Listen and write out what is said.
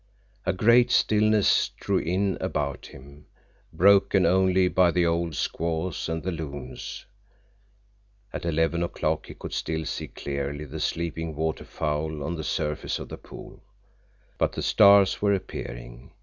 A great stillness drew in about him, broken only by the old squaws and the loons. At eleven o'clock he could still see clearly the sleeping water fowl on the surface of the pool. But the stars were appearing.